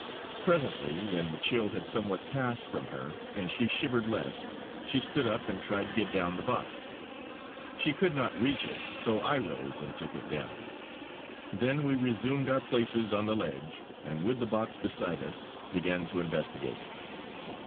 Presently when the chill had somewhat passed from her and she shivered less, she stood up and tried to get down the box. She could not reach it, so I rose and took it down. Then we resumed our places on the ledge, and, with the box beside us, began to investigate.